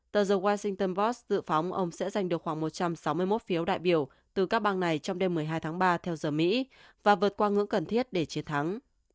tờ dầu washington boss dự phóng ông sẽ giành được khoảng một trăm sáu mươi một phiếu đại biểu từ các bang này trong đêm một mươi hai tháng ba theo giờ mỹ và vượt qua ngưỡng cần thiết để chiến thắng